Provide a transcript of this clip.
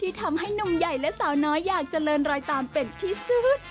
ทำให้หนุ่มใหญ่และสาวน้อยอยากเจริญรอยตามเป็นที่สุด